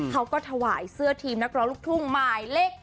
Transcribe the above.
เขาก็ถวายเสื้อทีมนักร้องลูกทุ่งหมายเลข๗